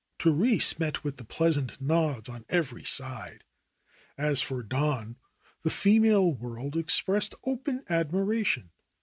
Therese met with 10 THE ROSE COLORED WORLD pleasant nods on every side. As for Don, the female world expressed open admiration.